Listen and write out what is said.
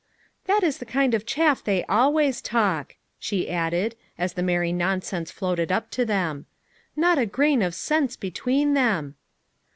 "That is the kind of chaff they always talk," she added as the merry nonsense floated up to them. "Not a grain of sense between them."